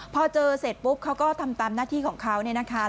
พอเจอเสร็จปุ๊บเขาก็ทำตามหน้าที่ของเขาเนี่ยนะคะ